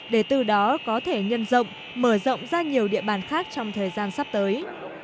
để từ đó có thể nhân rộng mở rộng ra nhiều địa bàn khác trong thời gian sắp tới